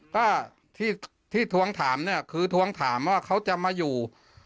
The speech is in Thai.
ก็ที่ทวงถามเนี่ยคือทวงถามว่าเขาจะมาอยู่